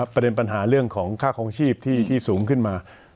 ประเด็นปัญหาเรื่องของค่าคลองชีพที่สูงขึ้นมา